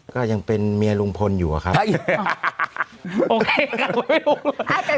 ก็ยังเป็นเมียลุงพลอยู่อะครับ